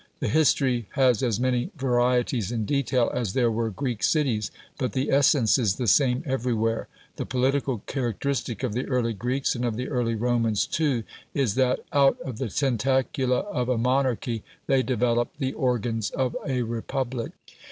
The history has as many varieties in detail as there were Greek cities, but the essence is the same everywhere. The political characteristic of the early Greeks, and of the early Romans, too, is that out of the tentacula of a monarchy they developed the organs of a republic.